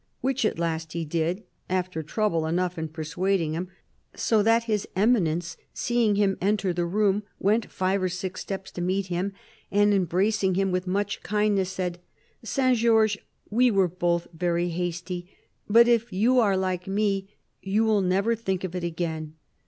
Which at last he did, after trouble enough iu persuading him. So that His Eminence, seeing him ent».r the room, went five or six steps to meet him, and embracing him with much kindness, said :' Saint Georges, we were both very hasty ; but if you are like me, you will never think of it again.